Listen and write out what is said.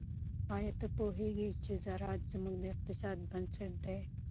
آیا ته پوهیږې چې زراعت زموږ د اقتصاد بنسټ دی؟